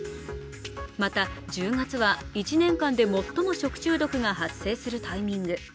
また、１０月は１年間で最も食中毒が発生するタイミング。